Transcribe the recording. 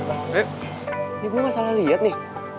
eh ini gue gak salah liat nih